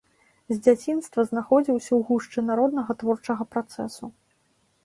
З дзяцінства знаходзіўся ў гушчы народнага творчага працэсу.